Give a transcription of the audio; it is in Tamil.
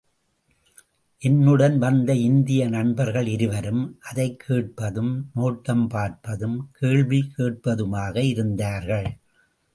என்னுடன் வந்த இந்திய நண்பர்கள் இருவரும் அதைக் கேட்பதும், நோட்டம் பார்ப்பதும், கேள்வி கேட்பதுமாக இருந்தார்கள்.